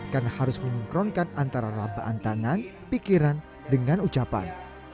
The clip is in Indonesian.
karena harus mengunkronkan antara rampaan tangan pikiran dengan ucapan